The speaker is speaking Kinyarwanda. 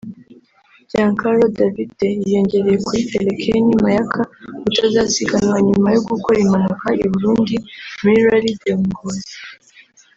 Giancarlo Davite yiyongereye kuri Felekeni Mayaka utazasiganwa nyuma yo gukora impanuka i Burundi muri Rally de Ngozi